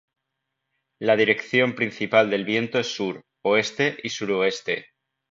La dirección principal del viento es sur, oeste y sur-oeste.